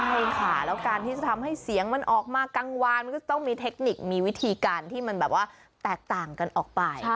ใช่ค่ะแล้วการที่จะทำให้เสียงมันออกมากลางวานมันก็จะต้องมีเทคนิคมีวิธีการที่มันแบบว่าแตกต่างกันออกไป